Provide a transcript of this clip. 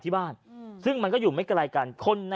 ชาวบ้านญาติโปรดแค้นไปดูภาพบรรยากาศขณะ